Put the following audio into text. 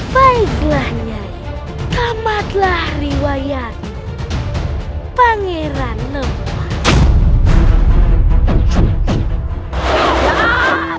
baiklah nyari tamatlah riwayatmu pangeran lemah